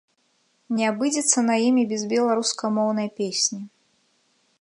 Не абыдзецца на ім і без беларускамоўнай песні.